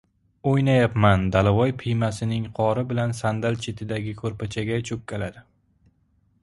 — O‘ynayapman! — Dalavoy piymasining qori bilan sandal chetidagi ko‘rpachaga cho‘kkaladi.